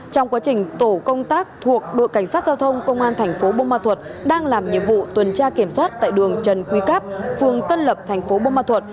trong quá trình tổ công tác thuộc đội cảnh sát giao thông công an thành phố bông ma thuột đang làm nhiệm vụ tuần tra kiểm soát tại đường trần quy cáp phường tân lập thành phố bông ma thuột